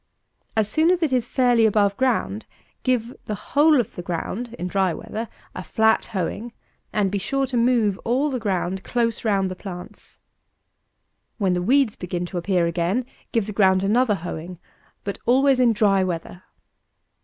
As soon as it is fairly above ground, give the whole of the ground (in dry weather) a flat hoeing, and be sure to move all the ground close round the plants. When the weeds begin to appear again, give the ground another hoeing, but always in dry weather.